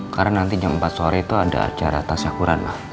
karena nanti jam empat sore itu ada acara tas syahkuran ma